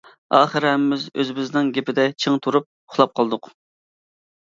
ئاخىرى ھەممىمىز ئۆزىمىزنىڭ گېپىدە چىڭ تۇرۇپ ئۇخلاپ قالدۇق.